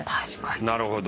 なるほど。